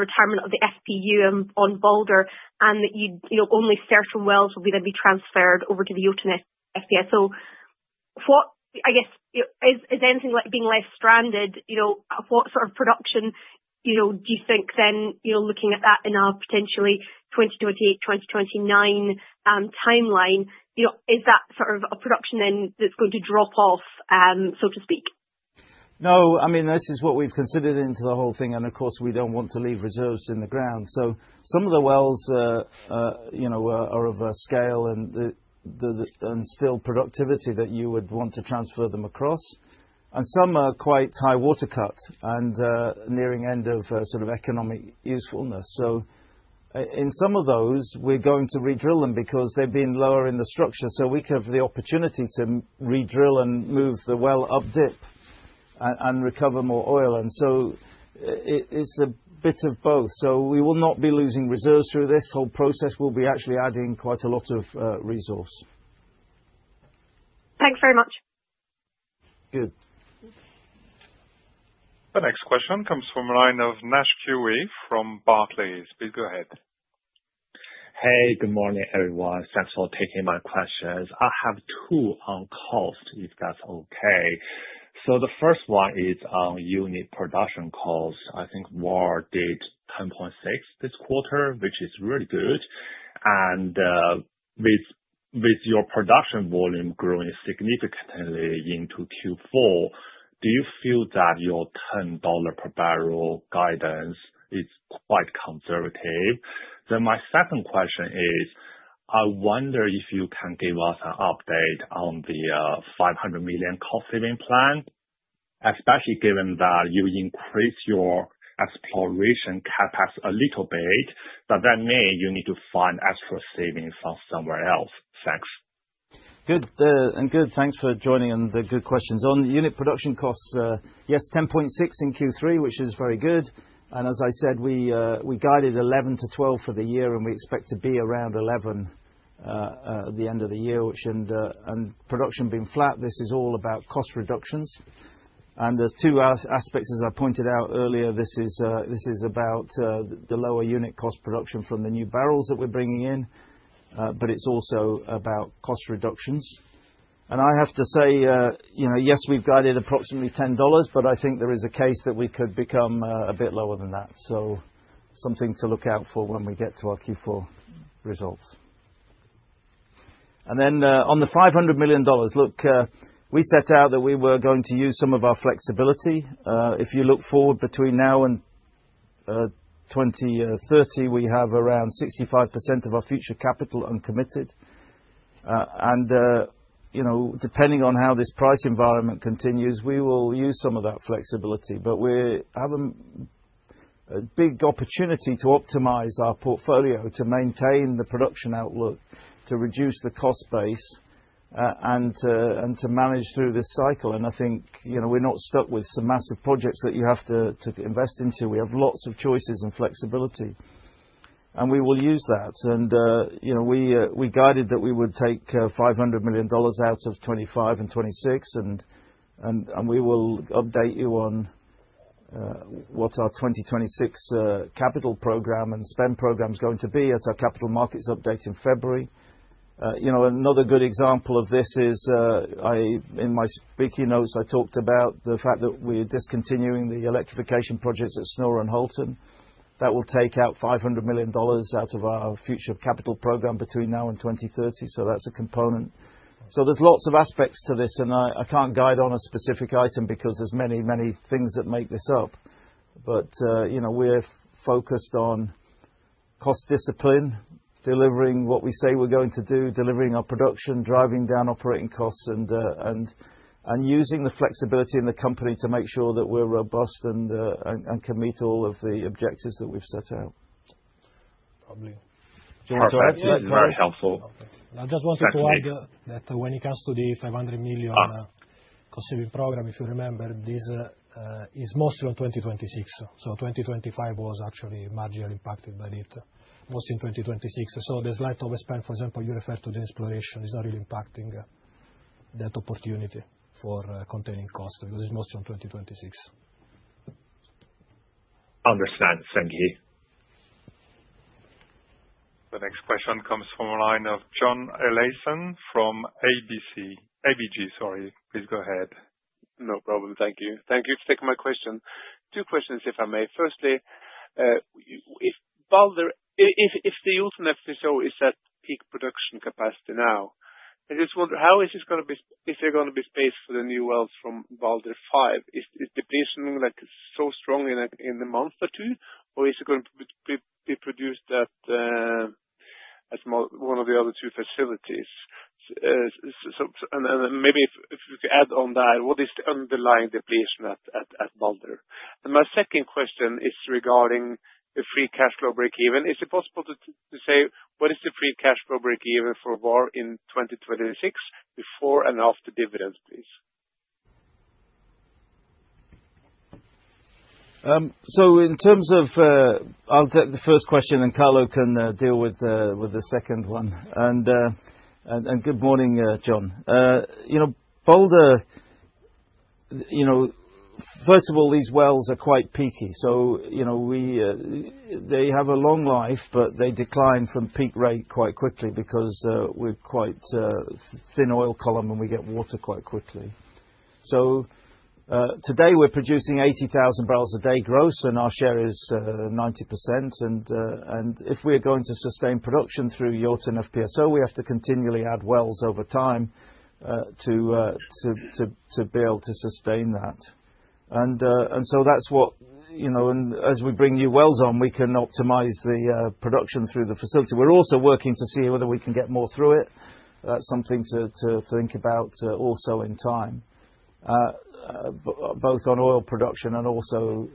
retirement of the FPU on Balder and that only certain wells will then be transferred over to the Jotun FPSO. I guess, is anything being less stranded? What sort of production do you think then, looking at that in our potentially 2028-2029 timeline, is that sort of a production then that's going to drop off, so to speak? No. I mean, this is what we've considered into the whole thing, and of course, we don't want to leave reserves in the ground. So some of the wells are of a scale and still productivity that you would want to transfer them across. And some are quite high water cut and nearing end of sort of economic usefulness. So in some of those, we're going to redrill them because they've been lower in the structure. So we have the opportunity to redrill and move the well updip and recover more oil. And so it's a bit of both. So we will not be losing reserves through this whole process. We'll be actually adding quite a lot of resource. Thanks very much. Good. The next question comes from a line of Naisheng Cui from Barclays. Please go ahead. Hey, good morning, everyone. Thanks for taking my questions. I have two on calls, if that's okay. So the first one is on unit production costs. I think Vår did $10.6 this quarter, which is really good. And with your production volume growing significantly into Q4, do you feel that your $10 per barrel guidance is quite conservative? My second question is, I wonder if you can give us an update on the $500 million cost saving plan, especially given that you increased your exploration CAPEX a little bit, but that may mean you need to find extra savings from somewhere else. Thanks. Good. And good. Thanks for the good questions. On unit production costs, yes, 10.6 in Q3, which is very good, as I said. We guided 11-12 for the year, and we expect to be around 11 at the end of the year. Production being flat, this is all about cost reductions, and there's two aspects, as I pointed out earlier. This is about the lower unit cost production from the new barrels that we're bringing in, but it's also about cost reductions. And I have to say, yes, we've guided approximately $10, but I think there is a case that we could become a bit lower than that. So something to look out for when we get to our Q4 results. And then on the $500 million, look, we set out that we were going to use some of our flexibility. If you look forward between now and 2030, we have around 65% of our future capital uncommitted. And depending on how this price environment continues, we will use some of that flexibility. But we have a big opportunity to optimize our portfolio, to maintain the production outlook, to reduce the cost base, and to manage through this cycle. And I think we're not stuck with some massive projects that you have to invest into. We have lots of choices and flexibility, and we will use that. And we guided that we would take $500 million out of 2025 and 2026, and we will update you on what our 2026 capital program and spend program is going to be at our capital markets update in February. Another good example of this is, in my speaking notes, I talked about the fact that we are discontinuing the electrification projects at Snorre, Halten. That will take out $500 million out of our future capital program between now and 2030. So that's a component. So there's lots of aspects to this, and I can't guide on a specific item because there's many, many things that make this up. But we're focused on cost discipline, delivering what we say we're going to do, delivering our production, driving down operating costs, and using the flexibility in the company to make sure that we're robust and can meet all of the objectives that we've set out. Probably. Thank you. That's very helpful. I just wanted to add that when it comes to the $500 million cost saving program, if you remember, this is mostly on 2026. So 2025 was actually marginally impacted by it, mostly in 2026. So there's like overspent, for example, you refer to the exploration. It's not really impacting that opportunity for containing cost because it's mostly on 2026. Understand. Thank you. The next question comes from a line of John Olaisen from ABG. ABG, sorry. Please go ahead. No problem. Thank you. Thank you for taking my question. Two questions, if I may. Firstly, if the Jotun FPSO is at peak production capacity now, I just wonder how is it going to be if there's going to be space for the new wells from Balder 5? Is depletion so strong in a month or two, or is it going to be produced at one of the other two facilities? And maybe if you could add on that, what is the underlying depletion at Balder? And my second question is regarding the free cash flow breakeven. Is it possible to say what is the free cash flow breakeven for Vår Energi in 2026 before and after dividends, please? So in terms of I'll take the first question, and Carlo can deal with the second one. And good morning, John. Balder, first of all, these wells are quite peaky. So they have a long life, but they decline from peak rate quite quickly because we're quite a thin oil column, and we get water quite quickly. So today we're producing 80,000 barrels a day gross, and our share is 90%. And if we are going to sustain production through Jotun FPSO, we have to continually add wells over time to be able to sustain that. And so that's what and as we bring new wells on, we can optimize the production through the facility. We're also working to see whether we can get more through it. That's something to think about also in time, both on oil production and also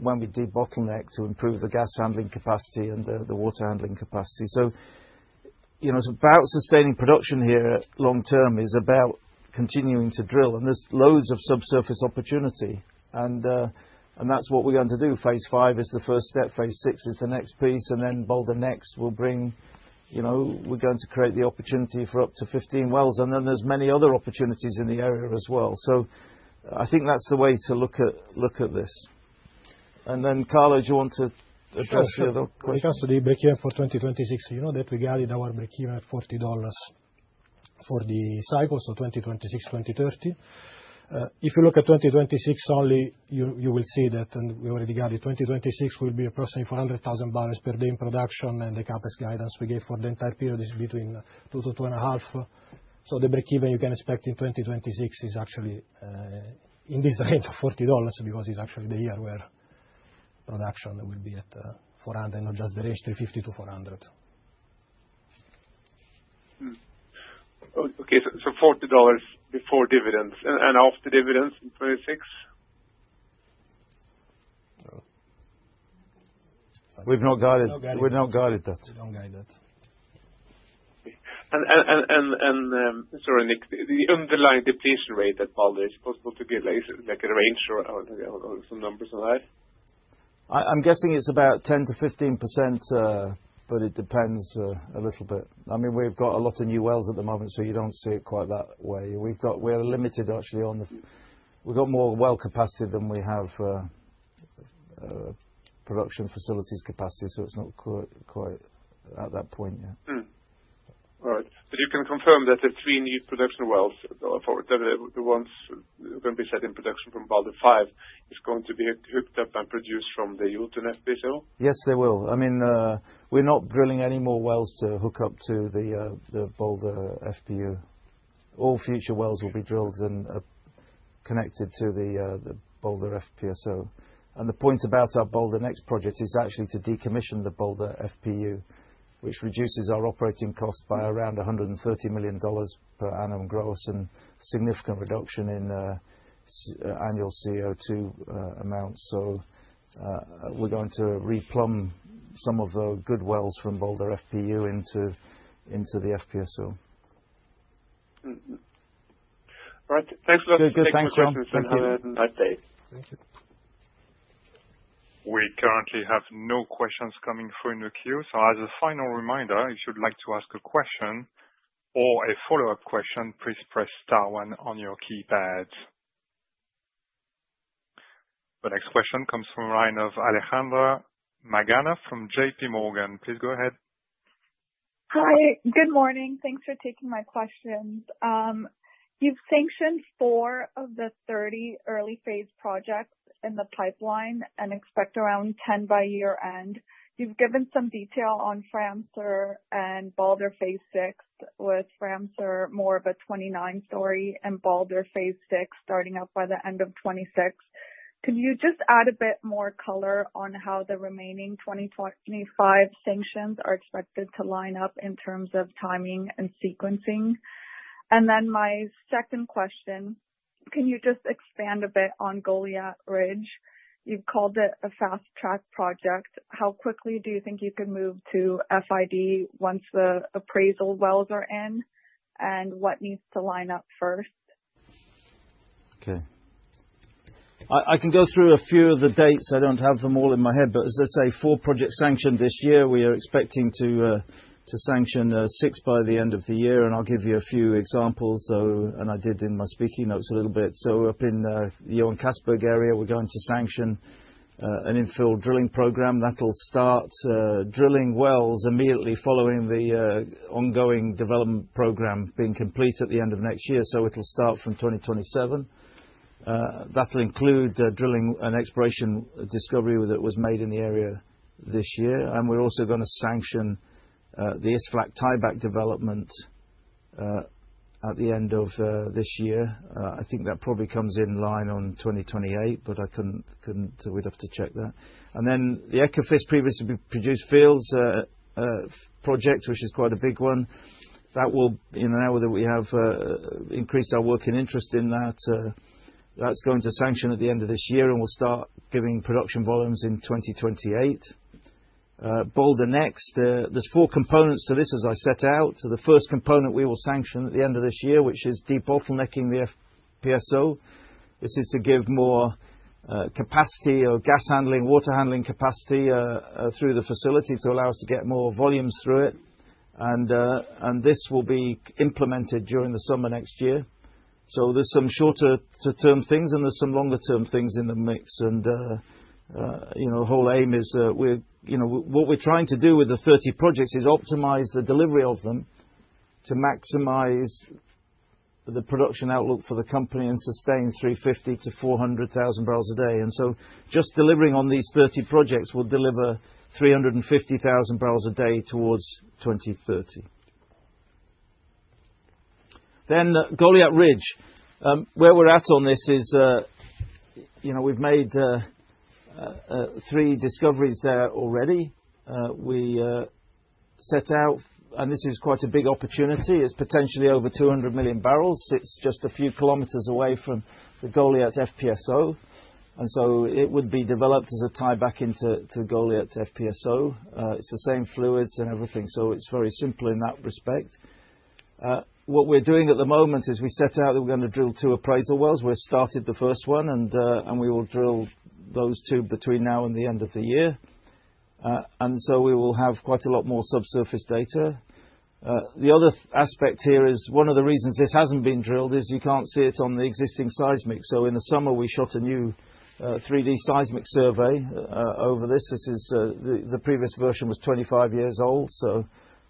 when we debottleneck to improve the gas handling capacity and the water handling capacity. So it's about sustaining production here long term is about continuing to drill. And there's loads of subsurface opportunity. And that's what we're going to do. Phase five is the first step. Phase six is the next piece. And then Balder Next will bring. We're going to create the opportunity for up to 15 wells. And then there's many other opportunities in the area as well. So I think that's the way to look at this. And then Carlo, do you want to address the other question? In terms of the breakeven for 2026, you know that we guided our breakeven at $40 for the cycle for 2026-2030. If you look at 2026 only, you will see that we already guided 2026 will be approximately 400,000 barrels per day in production. And the CAPEX guidance we gave for the entire period is between 2 to 2.5. So the breakeven you can expect in 2026 is actually in this range of $40 because it's actually the year where production will be at 400, not just the range 350-400. Okay. So $40 before dividends and after dividends in 26? We've not guided that. We don't guide that. And sorry, Nick, the underlying depletion rate at Balder, is it possible to give a range or some numbers on that? I'm guessing it's about 10%-15%, but it depends a little bit. I mean, we've got a lot of new wells at the moment, so you don't see it quite that way. We're limited, actually, on the we've got more well capacity than we have production facilities capacity, so it's not quite at that point yet. All right. So you can confirm that the three new production wells, the ones going to be set in production from Balder 5, is going to be hooked up and produced from the Jotun FPSO? Yes, they will. I mean, we're not drilling any more wells to hook up to the Balder FPU. All future wells will be drilled and connected to the Balder FPSO. And the point about our Balder Next project is actually to decommission the Balder FPU, which reduces our operating cost by around $130 million per annum gross and significant reduction in annual CO2 amounts. So we're going to replumb some of the good wells from Balder FPU into the FPSO. All right. Thanks for the questions. Thank you. Thank you. Good questions. Thank you. Thank you. We currently have no questions coming through in the queue. So as a final reminder, if you'd like to ask a question or a follow-up question, please press star one on your keypad. The next question comes from a line of Alejandra Magana from J.P. Morgan. Please go ahead. Hi. Good morning. Thanks for taking my questions. You've sanctioned four of the 30 early phase projects in the pipeline and expect around 10 by year-end. You've given some detail on Fram Sør and Balder Phase VI with Fram Sør more of a 2029 story and Balder Phase VI starting up by the end of 2026. Can you just add a bit more color on how the remaining 2025 sanctions are expected to line up in terms of timing and sequencing? And then my second question, can you just expand a bit on Goliat Ridge? You've called it a fast track project. How quickly do you think you can move to FID once the appraisal wells are in, and what needs to line up first? Okay. I can go through a few of the dates. I don't have them all in my head, but as I say, four projects sanctioned this year. We are expecting to sanction six by the end of the year. And I'll give you a few examples, and I did in my speaking notes a little bit. So up in the Johan Castberg area, we're going to sanction an infill drilling program. That'll start drilling wells immediately following the ongoing development program being complete at the end of next year. So it'll start from 2027. That'll include drilling an exploration discovery that was made in the area this year. And we're also going to sanction the Isflak tieback development at the end of this year. I think that probably comes in line on 2028, but I couldn't wait up to check that. And then the Ekofisk previously produced fields project, which is quite a big one. That will, now that we have increased our working interest in that, that's going to sanction at the end of this year, and we'll start giving production volumes in 2028. Balder Next. There's four components to this, as I set out. The first component we will sanction at the end of this year, which is debottlenecking the FPSO. This is to give more capacity or gas handling, water handling capacity through the facility to allow us to get more volumes through it. And this will be implemented during the summer next year. So there's some shorter-term things, and there's some longer-term things in the mix. The whole aim is what we're trying to do with the 30 projects is optimize the delivery of them to maximize the production outlook for the company and sustain 350,000-400,000 barrels a day, and so just delivering on these 30 projects will deliver 350,000 barrels a day towards 2030. Goliat Ridge, where we're at on this is we've made three discoveries there already. We set out, and this is quite a big opportunity. It's potentially over 200 million barrels. It's just a few kilometers away from the Goliat FPSO, and so it would be developed as a tieback into Goliat FPSO. It's the same fluids and everything, so it's very simple in that respect. What we're doing at the moment is we set out that we're going to drill two appraisal wells. We've started the first one, and we will drill those two between now and the end of the year. And so we will have quite a lot more subsurface data. The other aspect here is one of the reasons this hasn't been drilled is you can't see it on the existing seismic. So in the summer, we shot a new 3D seismic survey over this. The previous version was 25 years old. So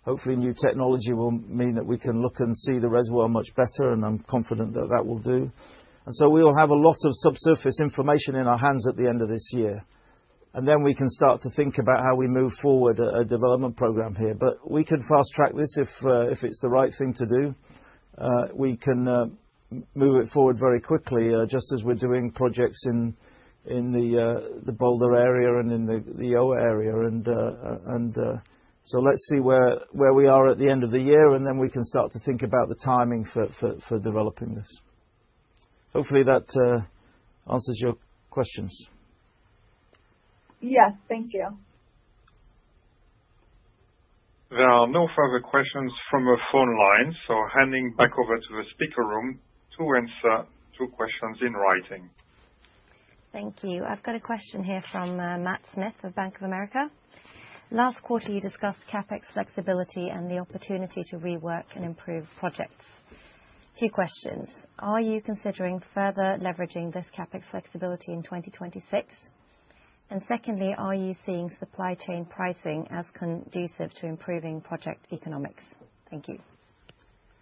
hopefully, new technology will mean that we can look and see the reservoir much better, and I'm confident that that will do. And so we will have a lot of subsurface information in our hands at the end of this year. And then we can start to think about how we move forward a development program here. But we can fast track this if it's the right thing to do. We can move it forward very quickly, just as we're doing projects in the Balder area and in the Johan Castberg area. And so let's see where we are at the end of the year, and then we can start to think about the timing for developing this. Hopefully, that answers your questions. Yes. Thank you. There are no further questions from a phone line. So handing back over to the speaker room to answer two questions in writing. Thank you. I've got a question here from Matt Smith of Bank of America. Last quarter, you discussed CAPEX flexibility and the opportunity to rework and improve projects. Two questions. Are you considering further leveraging this CAPEX flexibility in 2026? And secondly, are you seeing supply chain pricing as conducive to improving project economics? Thank you.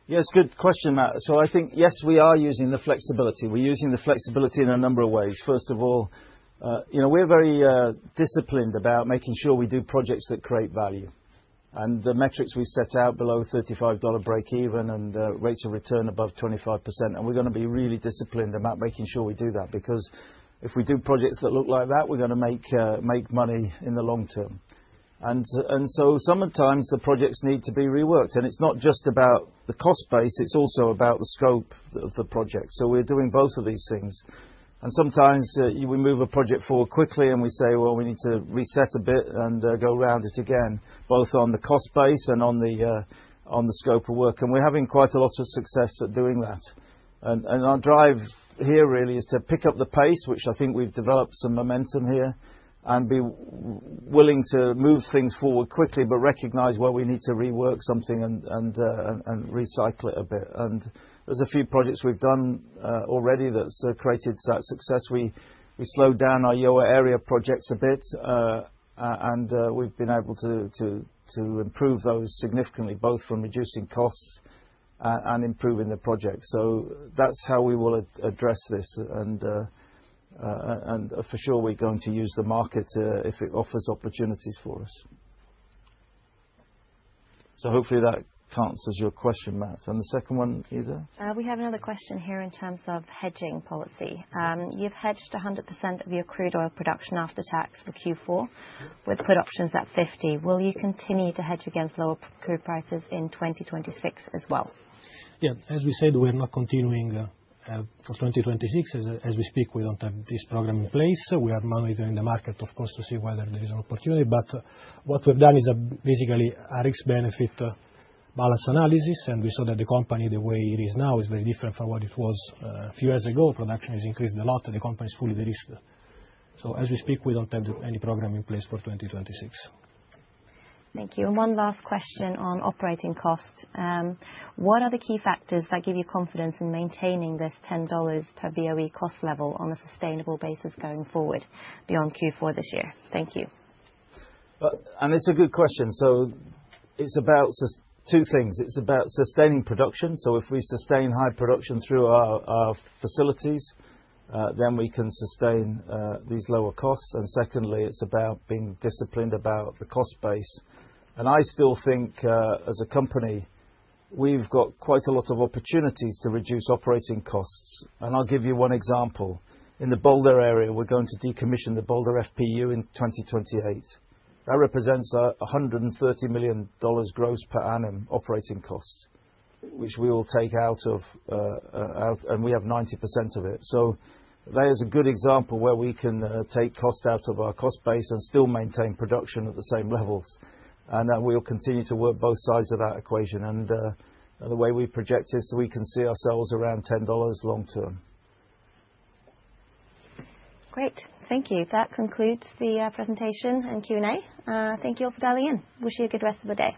Yes. Good question, Matt. So I think, yes, we are using the flexibility. We're using the flexibility in a number of ways. First of all, we're very disciplined about making sure we do projects that create value. And the metrics we've set out, below $35 breakeven and rates of return above 25%. And we're going to be really disciplined about making sure we do that because if we do projects that look like that, we're going to make money in the long term. And so sometimes the projects need to be reworked. And it's not just about the cost base. It's also about the scope of the project. So we're doing both of these things. And sometimes we move a project forward quickly, and we say, "Well, we need to reset a bit and go around it again," both on the cost base and on the scope of work. And we're having quite a lot of success at doing that. And our drive here really is to pick up the pace, which I think we've developed some momentum here, and be willing to move things forward quickly, but recognize where we need to rework something and recycle it a bit. And there's a few projects we've done already that's created such success. We slowed down our Johan Castberg area projects a bit, and we've been able to improve those significantly, both from reducing costs and improving the project. So that's how we will address this. And for sure, we're going to use the market if it offers opportunities for us. So hopefully, that answers your question, Matt. And the second one, either? We have another question here in terms of hedging policy. You've hedged 100% of your crude oil production after tax for Q4 with put options at $50. Will you continue to hedge against lower crude prices in 2026 as well? Yeah. As we said, we're not continuing for 2026. As we speak, we don't have this program in place. We are monitoring the market, of course, to see whether there is an opportunity. But what we've done is basically a risk-benefit balance analysis. And we saw that the company, the way it is now, is very different from what it was a few years ago. Production has increased a lot. The company is fully risked. So as we speak, we don't have any program in place for 2026. Thank you. And one last question on operating cost. What are the key factors that give you confidence in maintaining this $10 per BOE cost level on a sustainable basis going forward beyond Q4 this year? Thank you. And it's a good question. So it's about two things. It's about sustaining production. So if we sustain high production through our facilities, then we can sustain these lower costs. And secondly, it's about being disciplined about the cost base. And I still think, as a company, we've got quite a lot of opportunities to reduce operating costs. And I'll give you one example. In the Balder area, we're going to decommission the Balder FPU in 2028. That represents $130 million gross per annum operating cost, which we will take out of it, and we have 90% of it. So that is a good example where we can take cost out of our cost base and still maintain production at the same levels. And we'll continue to work both sides of that equation. And the way we project is we can see ourselves around $10 long term. Great. Thank you. That concludes the presentation and Q&A. Thank you all for dialing in. Wish you a good rest of the day.